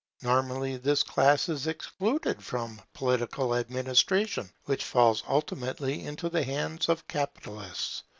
Normally, this class is excluded from political administration, which falls ultimately into the hands of capitalists.